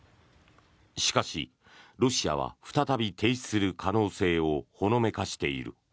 しかし、ロシアは再び停止する可能性をほのめかしている。